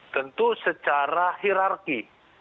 tentu secara hirarki